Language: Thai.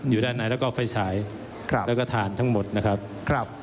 อยู่ด้านในแล้วก็ไฟฉายครับแล้วก็ทานทั้งหมดนะครับ